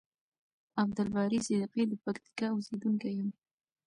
عبدالباری صدیقی د پکتیکا اوسیدونکی یم.